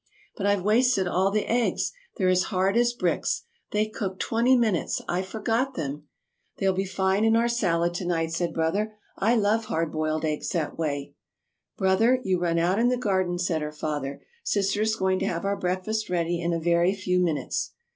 "But I've wasted all the eggs they're as hard as bricks they cooked twenty minutes. I forgot them." "They'll be fine in our salad to night," said Brother; "I love hard boiled eggs that way." [Illustration: "They'll be fine in our salad."] "Brother, you run out in the garden," said her father, "Sister is going to have our breakfast ready in a very few minutes."